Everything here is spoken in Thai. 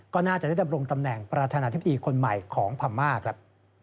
ก็น่าจะได้ดำรงตำแหน่งประธานาธิบดีคนใหม่ของพม่าครับ